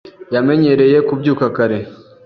Yamenyereye kubyuka kare.